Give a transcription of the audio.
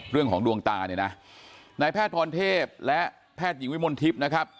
ดวงตาเนี่ยนะนายแพทย์พรเทพและแพทย์หญิงวิมลทิพย์นะครับ